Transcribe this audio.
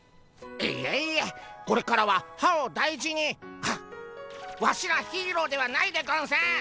いえいえこれからは歯を大事にあっワシらヒーローではないでゴンス。